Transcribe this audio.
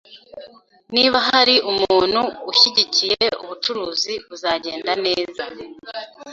Niba hari umuntu unshyigikiye, ubucuruzi buzagenda neza